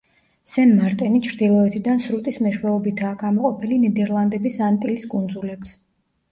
სენ-მარტენი ჩრდილოეთიდან სრუტის მეშვეობითაა გამოყოფილი ნიდერლანდების ანტილის კუნძულებს.